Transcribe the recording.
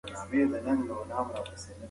ډیجیټل بانکونه د مالي معاملو لپاره خوندي دي.